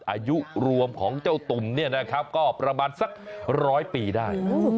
อายุรวมของเจ้าตุ่มเนี่ยนะครับก็ประมาณสักร้อยปีได้